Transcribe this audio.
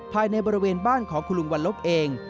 ภายในบริเวณบ้านของคุณลุงวันลบเอง